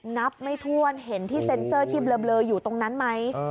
นับไม่ถ้วนเห็นที่เซ็นเซอร์ที่เบลออยู่ตรงนั้นไหม